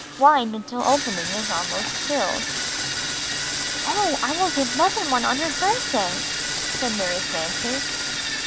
Wind until opening is almost filled. "Oh, I wi]l give mother one on her birthday!" said Mary Frances.